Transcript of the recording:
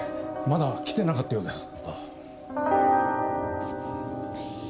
まだ来てなかったようです。